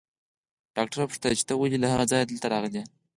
ډاکټر وپوښتل چې ته ولې له هغه ځايه دلته راغلې.